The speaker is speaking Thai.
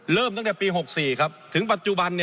เริ่มตั้งแต่ปี๑๙๖๔ถึงปัจจุบัน